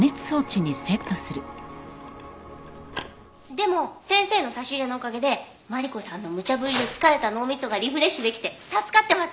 でも先生の差し入れのおかげでマリコさんのむちゃぶりで疲れた脳みそがリフレッシュできて助かってます！